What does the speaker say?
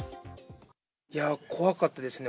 いやー、怖かったですね。